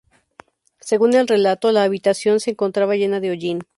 Según el relato, la habitación se encontraba llena de hollín.